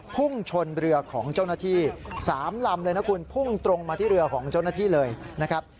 พุ่งชนเรือของเจ้าหน้าที่๓ลำเลยนะคุณพุ่งตรงมาที่เรือของเจ้าหน้าที่เลยนะครับ